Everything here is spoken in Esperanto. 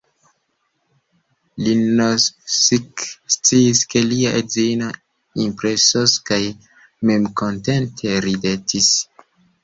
Linovski sciis, ke lia edzino impresos kaj memkontente ridetis.